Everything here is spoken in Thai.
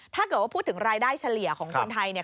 ถ้าเกิดว่าพูดถึงรายได้เฉลี่ยของคนไทยเนี่ย